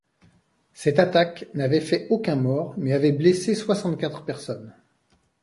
Cette attaque n'avait fait aucun mort mais avait blessé soixante-quatre personnes.